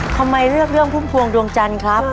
ทำไมเลือกเรื่องพุ่มพวงดวงจันทร์ครับ